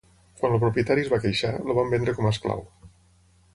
Quan el propietari es va queixar, el van vendre com a esclau.